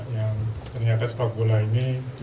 yang ternyata sepak bola ini